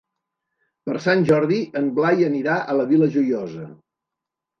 Per Sant Jordi en Blai anirà a la Vila Joiosa.